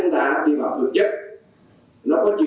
chúng ta đi vào thực chất